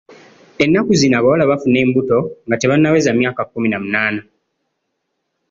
Ennaku zino abawala bafuna embuto nga tebannaweza myaka kkumi na munaana.